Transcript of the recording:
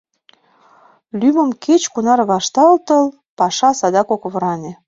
Лӱмым кеч-кунар вашталтыл — паша садак ок воране.